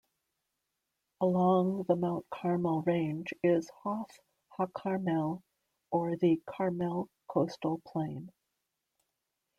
Along the Mount Carmel range is Hof HaCarmel, or the Carmel Coastal Plain.